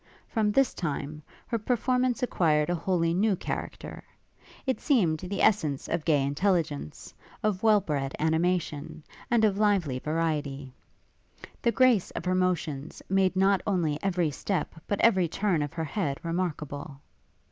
From this time, her performance acquired a wholly new character: it seemed the essence of gay intelligence, of well bred animation, and of lively variety. The grace of her motions made not only every step but every turn of her head remarkable.